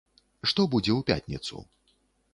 Што будзе ў пятніцу?